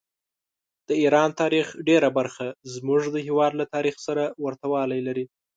د ایران تاریخ ډېره برخه زموږ د هېواد له تاریخ سره ورته والي لري.